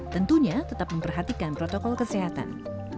tentunya tetap memperhatikan protokol kesehatan